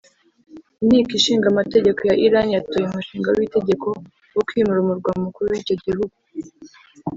Inteko ishingamategeko ya Iran yatoye umushinga w’itegeko wo kwimura umurwa mukuru w’icyo gihugu